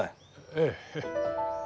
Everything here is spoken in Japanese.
ええ。